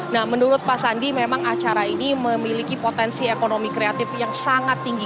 nah menurut pak sandi memang acara ini memiliki potensi ekonomi kreatif yang sangat tinggi